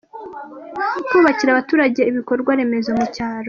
Kubakira abaturage ibikorwa remezo mu cyaro.